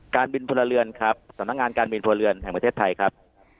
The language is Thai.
การบินพลเรือนครับสำนักงานการบินพลเรือนแห่งประเทศไทยครับ